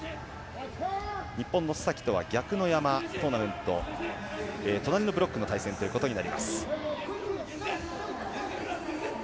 日本の須崎とは逆の山トーナメント隣のブロックの対戦ということになります。